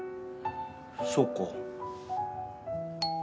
そうか。